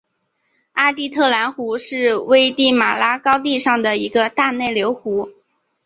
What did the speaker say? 阿蒂特兰湖是危地马拉高地上的一个大内流湖。